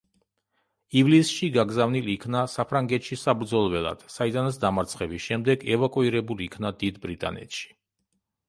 ივლისში გაგზავნილ იქნა საფრანგეთში საბრძოლველად, საიდანაც დამარცხების შემდეგ ევაკუირებულ იქნა დიდ ბრიტანეთში.